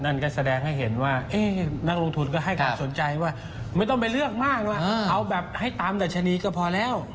นั่นก็แสดงให้เห็นว่านักลงทุนก็ให้ความสนใจว่าไม่ต้องไปเลือกมากนะเอาแบบให้ตามดัชนีก็พอแล้ว